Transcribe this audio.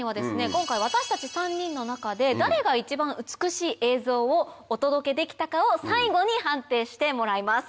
今回私たち３人の中で誰が一番美しい映像をお届けできたかを最後に判定してもらいます。